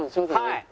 はい。